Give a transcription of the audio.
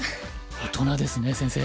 大人ですね先生。